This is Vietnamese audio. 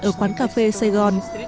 ở quán cà phê sài gòn